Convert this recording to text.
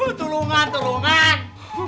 huhu tulungan tulungan